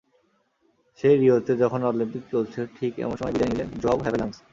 সেই রিওতে যখন অলিম্পিক চলছে, ঠিক এমন সময় বিদায় নিলেন জোয়াও হ্যাভেলাঞ্জ।